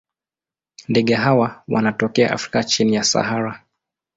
Ndege hawa wanatokea Afrika chini ya Sahara.